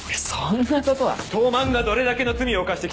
東卍がどれだけの罪を犯してきたと思ってる？